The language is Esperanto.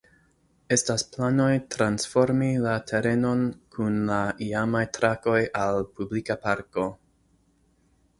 Estas planoj transformi la terenon kun la iamaj trakoj al publika parko.